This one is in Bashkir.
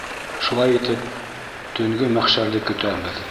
Шулай итеп, төнгө мәхшәрҙе көтәбеҙ.